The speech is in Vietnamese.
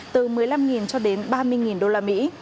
từ một mươi năm cho đến ba mươi đô la mỹ